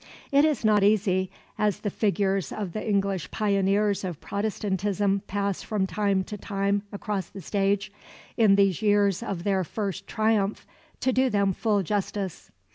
It is not easy, as the figures of the English pioneers of Protestantism pass from time to time across the stage, in these years of their first triumph, to do them full justice.